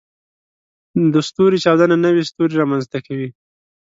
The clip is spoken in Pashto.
د ستوري چاودنه نوې ستوري رامنځته کوي.